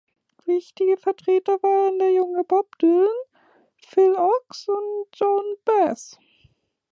Wichtige Vertreter waren der junge Bob Dylan, Phil Ochs und Joan Baez.